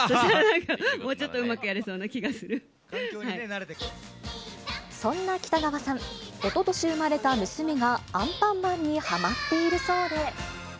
もうちょっとうまくやれそうそんな北川さん、おととし生まれた娘がアンパンマンにはまっているそうで。